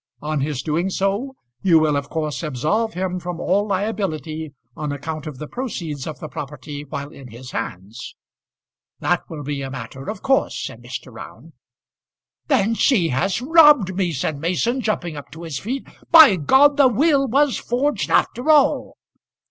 On his doing so you will of course absolve him from all liability on account of the proceeds of the property while in his hands." "That will be a matter of course," said Mr. Round. "Then she has robbed me," said Mason, jumping up to his feet. "By , the will was forged after all."